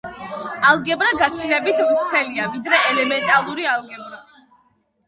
ალგებრა გაცილებით ვრცელია ვიდრე ელემენტალური ალგებრა.